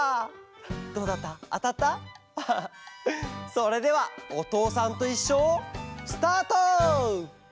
それでは「おとうさんといっしょ」スタート！